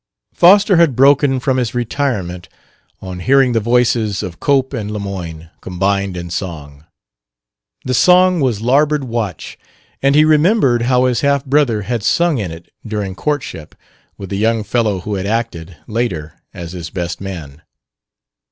Foster had broken from his retirement on hearing the voices of Cope and Lemoyne combined in song. The song was "Larboard Watch," and he remembered how his half brother had sung in it during courtship, with the young fellow who had acted, later, as his best man.